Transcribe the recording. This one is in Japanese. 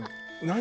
何？